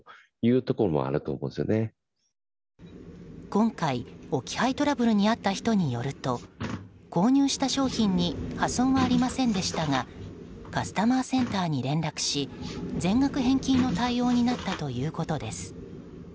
今回、置き配トラブルに遭った人によると購入した商品に破損はありませんでしたがカスタマーセンターに連絡し全額返金の対応になったということです。